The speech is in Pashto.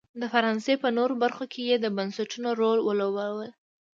د فرانسې په نورو برخو کې یې د بنسټونو رول ولوباوه.